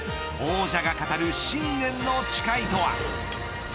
王者が語る新年の誓いとは。